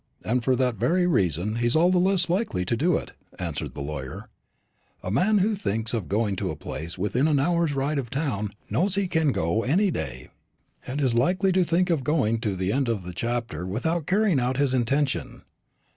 "And for that very reason he's all the less likely to do it," answered the lawyer; "a man who thinks of going to a place within an hour's ride of town knows he can go any day, and is likely to think of going to the end of the chapter without carrying out his intention.